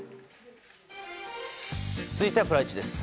続いてはプライチです。